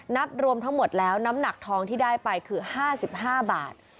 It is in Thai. นับรวมทั้งหมดแล้วน้ำหนักทองที่ได้ไปคือ๕๕บาท